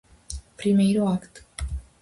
Primeiro Acto.